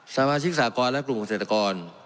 สมาชิกสากรและกลุ่มเกษตรกร